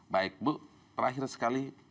baik bu terakhir sekali